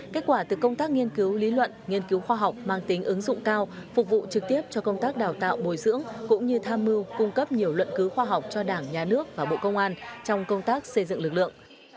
kết quả từ công tác nghiên cứu lý luận nghiên cứu khoa học mang tính ứng dụng cao phục vụ trực tiếp cho công tác đào tạo bồi dưỡng cũng như tham mưu cung cấp nhiều luận cứu khoa học cho đảng nhà nước và bộ công an trong công tác xây dựng lực lượng